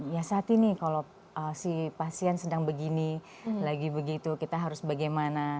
ya saat ini kalau si pasien sedang begini lagi begitu kita harus bagaimana